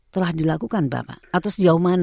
telah dilakukan bapak atau sejauh mana